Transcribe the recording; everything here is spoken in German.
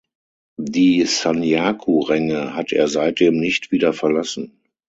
Die Sanyaku-Ränge hat er seitdem nicht wieder verlassen.